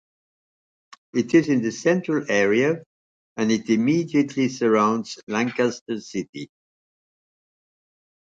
It is in the central area and it immediately surrounds Lancaster City.